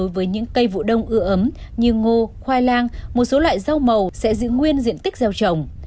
với những cây vụ đông ưa ấm như ngô khoai lang một số loại rau màu sẽ giữ nguyên diện tích gieo trồng